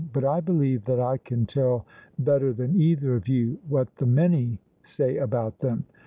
But I believe that I can tell better than either of you what the many say about them.